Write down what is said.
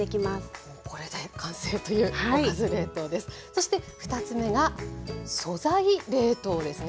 そして２つ目が「素材冷凍」ですね。